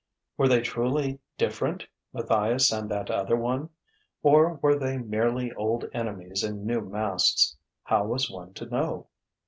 Were they truly different, Matthias and that other one? Or were they merely old enemies in new masks? How was one to know?...